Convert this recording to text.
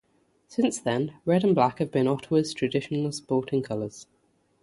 Since then, red and black have been Ottawa's traditional sporting colours.